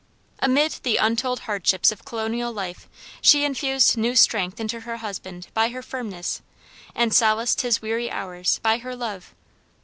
Amid the untold hardships of colonial life she infused new strength into her husband by her firmness, and solaced his weary hours by her love.